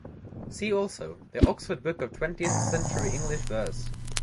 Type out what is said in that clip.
See also The Oxford Book of Twentieth Century English Verse.